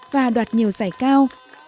và đoạt nhiều giải cao